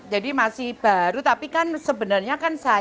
jadi masih baru tapi kan sebenarnya kan saya dengan pak hendi